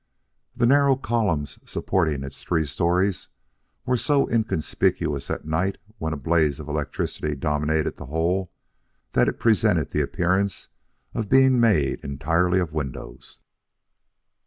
The narrow columns supporting its three stories were so inconspicuous at night when a blaze of electricity dominated the whole, that it presented the appearance of being made entirely of windows.